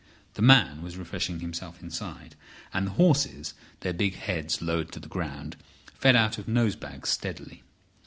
The man was refreshing himself inside, and the horses, their big heads lowered to the ground, fed out of nose bags steadily.